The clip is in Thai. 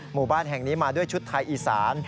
หมู่บ้านแห่งนี้มาด้วยชุดไทยอีสาน